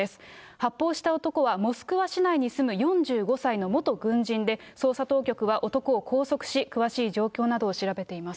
発砲した男はモスクワ市内に住む４５歳の元軍人で、捜査当局は男を拘束し、詳しい状況などを調べています。